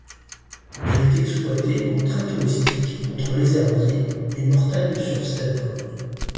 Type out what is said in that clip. Elle est exploitée en train touristique entre Les Herbiers et Mortagne sur Sèvre.